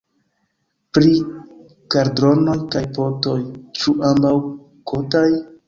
Pri kaldronoj kaj potoj: ĉu ambaŭ kotaj?